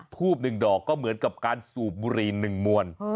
ทูบ๑ดอกก็เหมือนกับการสูบบุหรี่๑มวล